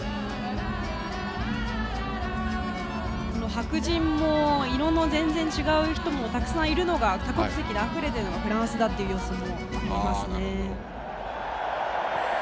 白人もそうでない人もいるのが多国籍であふれているのがフランスだという様子も見えます。